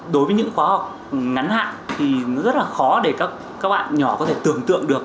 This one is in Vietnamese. đối với những khóa học ngắn hạn thì nó rất là khó để các bạn nhỏ có thể tưởng tượng được